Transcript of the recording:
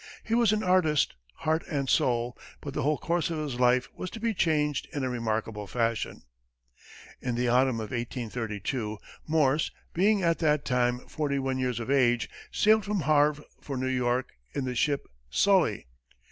He was an artist, heart and soul, but the whole course of his life was to be changed in a remarkable fashion. In the autumn of 1832, Morse, being at that time forty one years of age, sailed from Havre for New York in the ship Sully.